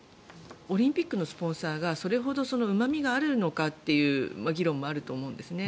オリンピックのスポンサーがそれほどうま味があるのかって議論もあると思うんですね。